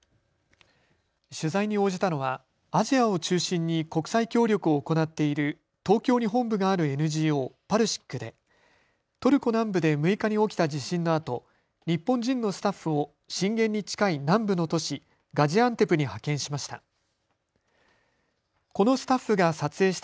取材に応じたのはアジアを中心に国際協力を行っている東京に本部があるＮＧＯ、パルシックでトルコ南部で６日に起きた地震のあと日本人のスタッフを震源に近い南部の都市ガジアンテプに派遣しました。